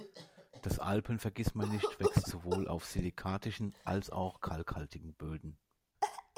Das Alpen-Vergissmeinnicht wächst sowohl auf silikatischen als auch kalkhaltigen Böden.